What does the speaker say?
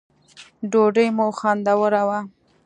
ډوډی مو خوندوره وه